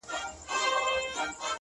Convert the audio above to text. سیاه پوسي ده! خُم چپه پروت دی!